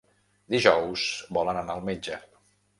Dijous volen anar al metge.